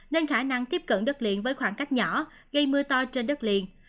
nên khả năng tiếp cận đất liền với khoảng cách nhỏ gây mưa to trên đất liền